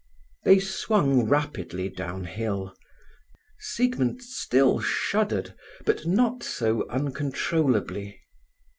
They swung rapidly downhill. Siegmund still shuddered, but not so uncontrollably.